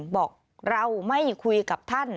บอกเราไม่คุยกับท่าน